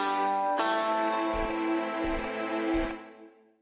あ。